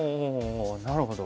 なるほど。